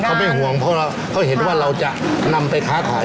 เขาไม่ห่วงเพราะเขาเห็นว่าเราจะนำไปค้าขาย